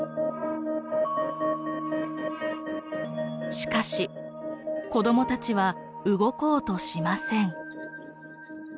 しかし子どもたちは動こうとしません。